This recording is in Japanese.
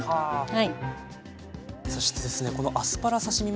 はい。